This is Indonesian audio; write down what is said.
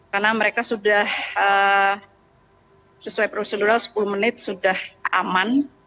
karena mereka sudah sesuai prosedur sepuluh menit sudah aman